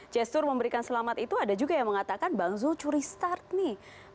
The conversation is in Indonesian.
gestur memberikan selamat itu ada juga yang mengatakan bang zul curi start nih